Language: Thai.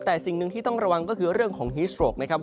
แต่สิ่งหนึ่งที่ต้องระวังก็คือเรื่องของฮีสโตรกนะครับ